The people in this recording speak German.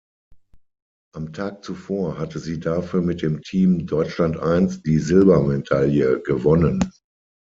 Am Tag zuvor hatte sie dafür mit dem Team "Deutschland I" die Silbermedaille gewonnen.